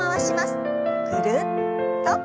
ぐるっと。